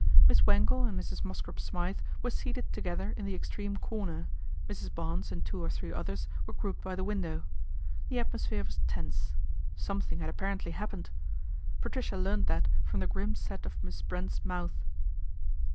Miss Wangle and Mrs. iMosscrop Smythe were seated together in the extreme corner, Mrs. Barnes and two or three others were grouped by the window. The atmo sphere was tense. Something had apparently happened. Patricia learned that from the grim set of Miss Brent's mouth.